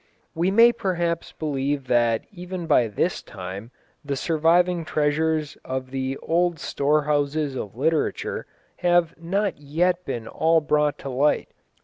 We may perhaps believe that even by this time the surviving treasures of the old storehouses of literature have not yet been all brought to light.